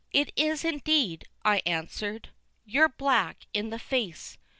"It is indeed," I ansered. "You're black in the face.